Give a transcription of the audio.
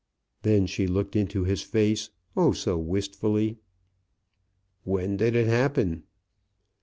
Then she looked into his face, oh! so wistfully. "When did it happen?"